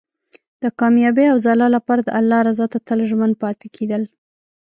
د کامیابۍ او ځلا لپاره د الله رضا ته تل ژمن پاتې کېدل.